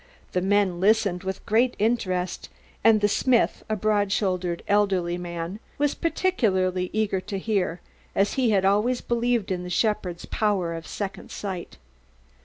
The men listened with great interest, and the smith, a broad shouldered elderly man, was particularly eager to hear, as he had always believed in the shepherd's power of second sight.